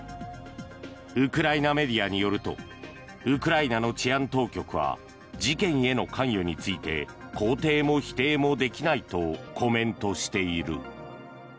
ウクライナメディアによるとウクライナの治安当局は事件への関与について肯定も否定もできないとコメントしている。